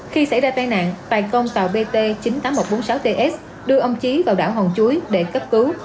khi xảy ra tai nạn tài công tàu bt chín mươi tám nghìn một trăm bốn mươi sáu ts đưa ông chí vào đảo hòn chuối để cấp cứu